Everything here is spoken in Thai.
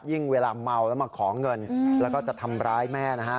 เวลาเมาแล้วมาขอเงินแล้วก็จะทำร้ายแม่นะฮะ